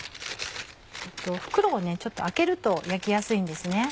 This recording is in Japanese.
袋をちょっと開けると焼きやすいんですね。